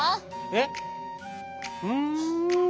えっ？ふん。